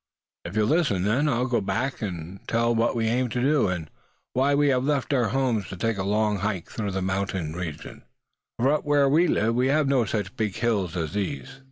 If you'll listen, then, I'll go back, and tell what we aim to do; and why we have left our homes to take a long hike through a mountainous region, for up where we live we have no such big hills as these."